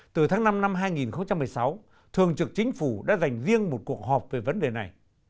từ tháng năm năm hai nghìn một mươi sáu thường trực chính phủ đã dành riêng một cuộc họp về vấn đề này